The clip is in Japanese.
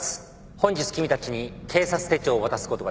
本日君たちに警察手帳を渡すことができました。